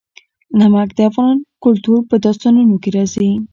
نمک د افغان کلتور په داستانونو کې راځي.